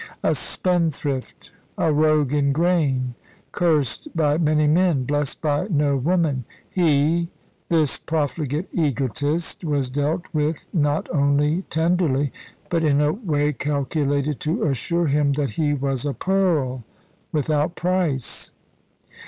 A spendthrift, a rogue in grain, cursed by many men, blessed by no woman, he this profligate egotist was dealt with not only tenderly, but in a way calculated to assure him that he was a pearl without price.